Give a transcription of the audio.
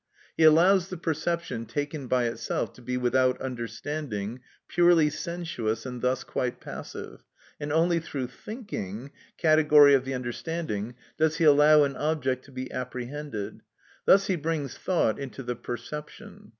He allows the perception, taken by itself, to be without understanding, purely sensuous, and thus quite passive, and only through thinking (category of the understanding) does he allow an object to be apprehended: thus he brings thought into the perception.